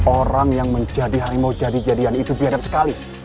orang yang menjadi harimau jadi jadian itu biadat sekali